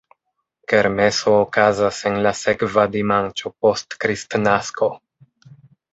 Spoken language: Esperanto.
Kermeso okazas en la sekva dimanĉo post Kristnasko.